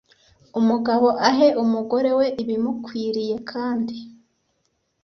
umugabo ahe umugore we ibimukwiriye kandi